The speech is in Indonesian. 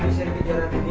dulu nih ini juara surfing